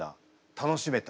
楽しめた。